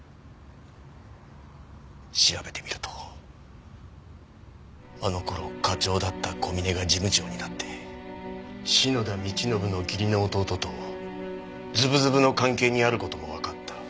調べてみるとあの頃課長だった小嶺が事務長になって篠田道信の義理の弟とズブズブの関係にある事もわかった。